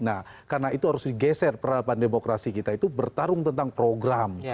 nah karena itu harus digeser peradaban demokrasi kita itu bertarung tentang program